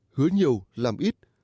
hứa nhiều làm ít